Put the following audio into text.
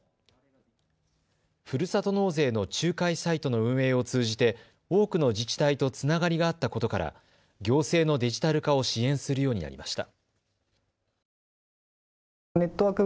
ふるさと納税の仲介サイトの運営を通じて多くの自治体とつながりがあったことから行政のデジタル化を支援するようになりました。